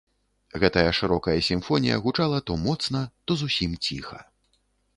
Гэтая шырокая сімфонія гучала то моцна, то зусім ціха.